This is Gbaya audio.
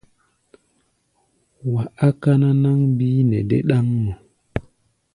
Wa á káná náŋ bíí nɛ dé ɗáŋmɔ.